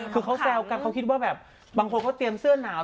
คือเขาแซวกันเขาคิดว่าแบบบางคนเขาเตรียมเสื้อหนาว